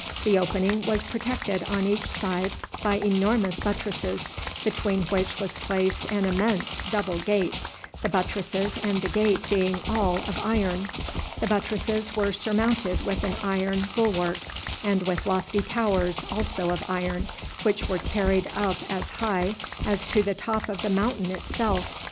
The opening was protected on each side by enormous buttresses, between which was placed an immense double gate, the buttresses and the gate being all of iron. The buttresses were surmounted with an iron bulwark, and with lofty towers also of iron, which were carried up as high as to the top of the mountain itself.